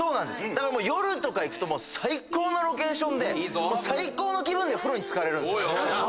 だから夜とか行くと最高のロケーションで最高の気分で風呂に浸かれるんすよ。